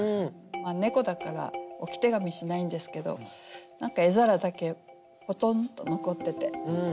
猫だから置手紙しないんですけど何か餌皿だけぽとんとのこってて。